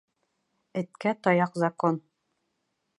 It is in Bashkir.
Эткә таяҡ закон.